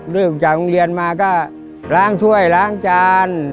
ออกจากโรงเรียนมาก็ล้างถ้วยล้างจาน